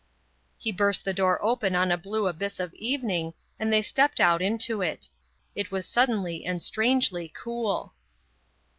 He burst the door open on a blue abyss of evening and they stepped out into it: it was suddenly and strangely cool.